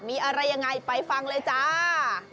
มีอะไรยังไงไปฟังเลยจ้า